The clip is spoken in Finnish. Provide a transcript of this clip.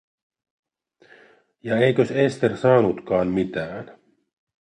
Ja eikös Ester saanutkaan mitään?